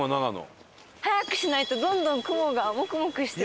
谷：早くしないとどんどん、雲がモクモクしてる。